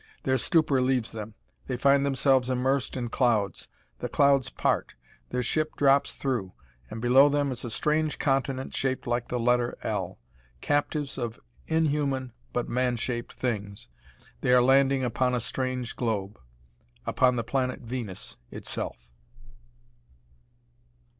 Their stupor leaves them; they find themselves immersed in clouds. The clouds part; their ship drops through; and below them is a strange continent shaped like the letter "L." Captives of inhuman but man shaped things, they are landing upon a strange globe upon the planet Venus itself!